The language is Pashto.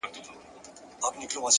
اخلاق د شهرت تر نوم مخکې ځلېږي؛